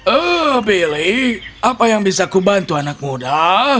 oh pilih apa yang bisa kubantu anak muda